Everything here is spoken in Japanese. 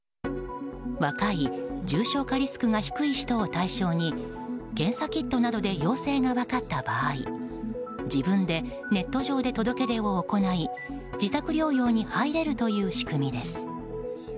若く重症化リスクの低い人を対象に検査キットなどで陽性が分かった場合自分でネット上で届け出を行い自宅療養に入れるという仕組みです。